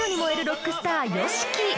ロックスターＹＯＳＨＩＫＩ